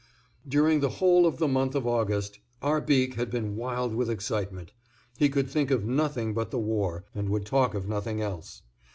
During the whole of the month of August Arbique had been wild with excitement; he could think of nothing but the war, and would talk of nothing else.